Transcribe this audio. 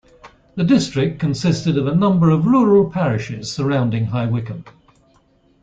The district consisted of a number of rural parishes surrounding High Wycombe.